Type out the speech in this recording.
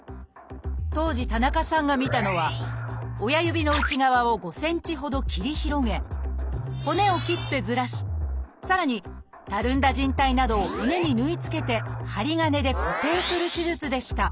当時田中さんが見たのは親指の内側を５センチほど切り広げ骨を切ってずらしさらにたるんだじん帯などを骨に縫い付けて針金で固定する手術でした。